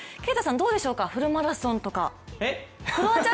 どうでしょうか、フルマラソンとか。